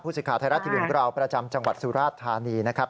สิทธิ์ไทยรัฐทีวีของเราประจำจังหวัดสุราชธานีนะครับ